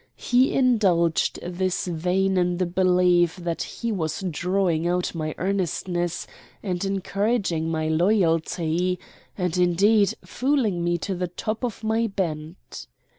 He indulged this vein in the belief that he was drawing out my earnestness and encouraging my loyalty, and, indeed, fooling me to the top of my bent.